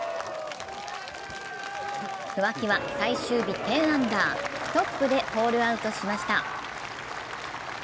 桑木は最終日１０アンダートップでホールアウトしました。